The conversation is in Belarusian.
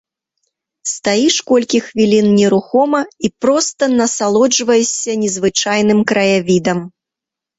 Стаіш колькі хвілін нерухома і проста насалоджваешся незвычайным краявідам.